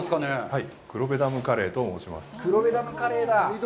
はい。